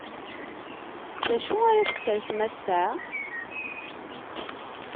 D acu ara tessersem ass-a?